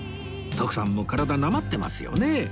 徳さんも体なまってますよね